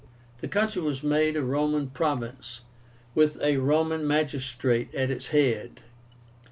The country was made a Roman province, with a Roman magistrate at its head.